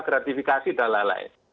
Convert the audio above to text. gratifikasi dan lain lain